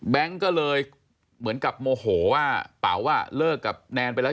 ก็เลยเหมือนกับโมโหว่าเป๋าเลิกกับแนนไปแล้ว